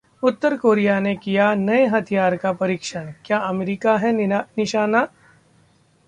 उत्तर Korea ने किया नए हथियार का परीक्षण, क्या अमेरिका है निशाना?